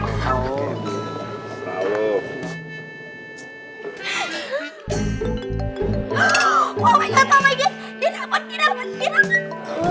oh my god oh my god dia dapet dia dapet dia dapet